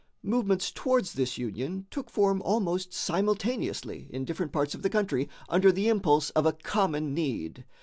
Movements towards this union took form almost simultaneously in different parts of the country under the impulse of a common need.